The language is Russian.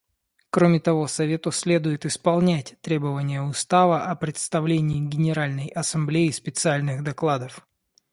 Кроме того, Совету следует исполнять требования Устава о представлении Генеральной Ассамблее специальных докладов.